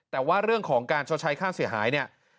แต่ว่าเรื่องของการชดใช้ค่าเสียหายเนี่ย